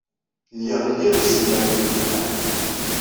Lliɣ liɣ iselmaden yelhan.